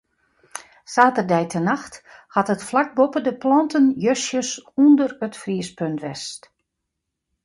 Saterdeitenacht hat it flak boppe de planten justjes ûnder it friespunt west.